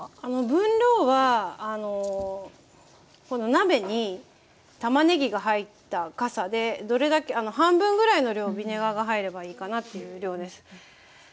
分量はこの鍋にたまねぎが入ったかさで半分ぐらいの量ビネガーが入ればいいかなっていう量です。